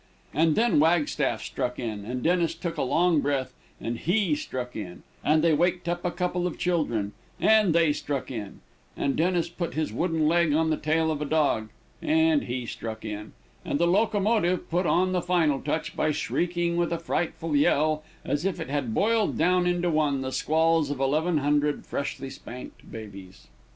And then Wagstaff struck in, and Dennis took a long breath, and he struck in; and they waked up a couple of children, and they struck in; and Dennis put his wooden leg on the tail of a dog, and he struck in; and the locomotive put on the final touch, by shrieking with a frightful yell, as if it had boiled down into one, the squalls of eleven hundred freshly spanked babies.